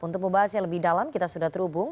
untuk membahasnya lebih dalam kita sudah terhubung